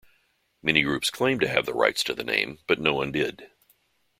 Many groups claimed to have the rights to the name, but no one did.